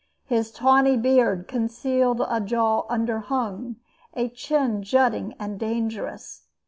His tawny beard concealed a jaw underhung, a chin jutting and dangerous.